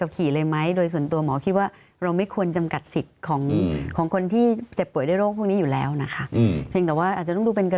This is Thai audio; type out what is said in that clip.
ทำไมเวลาเกิดอุบัติเหตุขึ้น